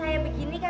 eh tambah manis ayah